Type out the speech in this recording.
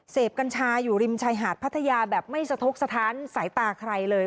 กัญชาอยู่ริมชายหาดพัทยาแบบไม่สะทกสถานตาใครเลย